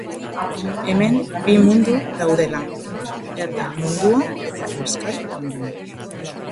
Hemen bi mundu daudela: erdal mundua eta euskal mundua.